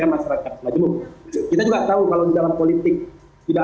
kita tahu masyarakat indonesia masyarakat kita juga tahu kalau di dalam politik tidak